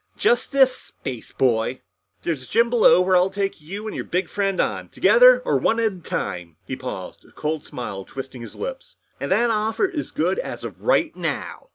"Just this, spaceboy. There's a gym below where I'll take you or your big friend on together or one at a time." He paused, a cold smile twisting his lips. "And that offer is good as of right now!"